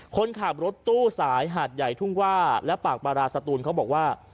คนขับรถตู้สายหาดใหญ่ทุ่งว่าและปากบาราสตูนเขาบอกว่า